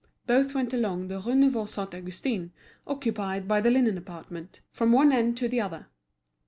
Both went along the Rue Neuve Saint Augustin, occupied by the linen department, from one end to the other.